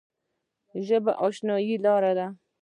ژبه د اشنايي لاره ده